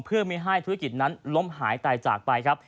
เพื่อไม่ให้ธุรกิจนั้นล้มหายตายจากไปครับ